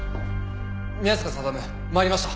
宮坂定参りました。